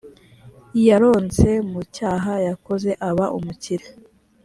yaronse mu cyaha yakoze aba umukire